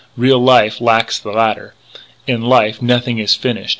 Real life lacks the latter. In life nothing is finished.